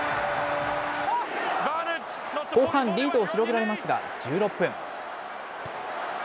後半、リードを広げられますが、１６分。